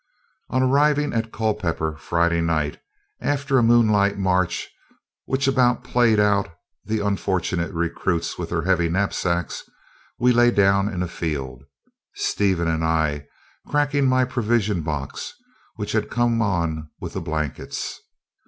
On arriving at Culpeper, Friday night, after a moonlight march which about played out the unfortunate recruits with their heavy knapsacks, we lay down in a field, Stephen and I cracking my provision box, which had come on with the blankets.